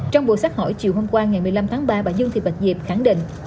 trong buổi sát hỏi chiều hôm qua ngày một mươi năm tháng ba bà dương thị bạch diệp khẳng định